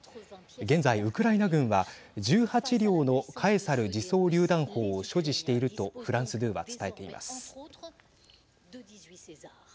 現在、ウクライナ軍は１８両のカエサル自走りゅう弾砲を所持しているとフランス２は伝えています。